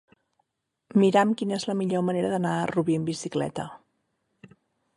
Mira'm quina és la millor manera d'anar a Rubí amb bicicleta.